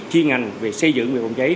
chuyên ngành về xây dựng về phòng cháy